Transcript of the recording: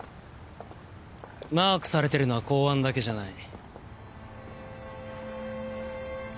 マークされてるのは公安だけじゃない。